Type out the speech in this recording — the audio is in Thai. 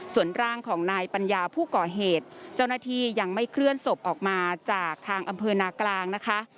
ส่วนร่างของนายปัญญาผู้ก่อเหตุเจ้าหน้าที่ยังไม่เคลื่อนศพออกมาจากทางอำเภอนากลางนะคะ